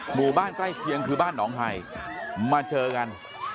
หมู่บ้านใกล้เคียงคือบ้านหนองไห่มาเจอกัน